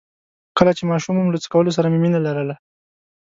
کله چې ماشوم وم له څه کولو سره مې مينه لرله؟